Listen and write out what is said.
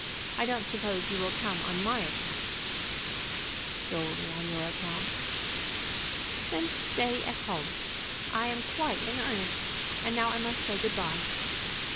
I don't suppose you will come on my account." "Solely on your account." "Then stay at home. I am quite in earnest. And now I must say good bye."